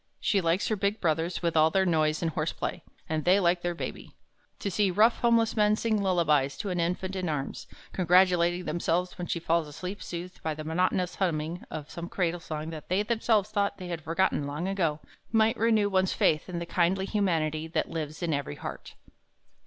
She likes her big brothers with all their noise and horseplay, and they like their Baby. To see rough homeless men sing lullabies to an infant in arms, congratulating themselves when she falls asleep soothed by the monotonous humming of some cradle song that they themselves thought they had forgotten long ago, might renew one's faith in the kindly humanity that lives in every heart.